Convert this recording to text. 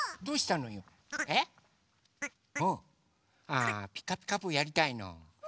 あ「ピカピカブ！」やりたいの？